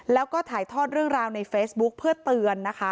แล้วก็ถ่ายทอดเรื่องราวในเฟซบุ๊คเพื่อเตือนนะคะ